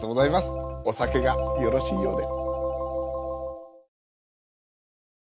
お酒がよろしいようで。